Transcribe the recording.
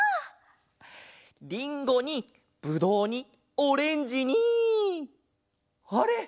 りんごにぶどうにオレンジにあれっ！？